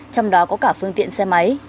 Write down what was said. trong đó có cả phương tiện xe máy